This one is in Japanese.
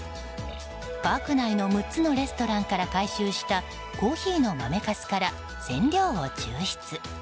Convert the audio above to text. パーク内の６つのレストランから回収したコーヒーの豆かすから染料を抽出。